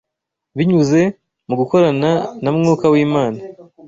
Binyuze mu gukorana na Mwuka w’Imana